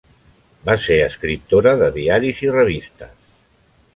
Va ser escriptora de diaris i revistes.